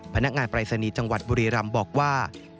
พนักงานปรายศนีย์จังหวัดบุรีรำบอกว่า